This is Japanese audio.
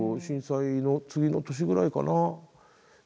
震災の次の年ぐらいかな？